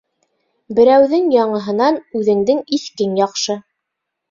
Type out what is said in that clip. Берәүҙең яңыһынан үҙеңдең иҫкең яҡшы.